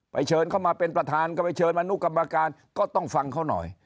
เชิญเข้ามาเป็นประธานก็ไปเชิญอนุกรรมการก็ต้องฟังเขาหน่อย